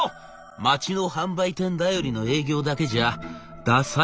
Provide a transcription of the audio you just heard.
「街の販売店頼りの営業だけじゃダサいんですよ。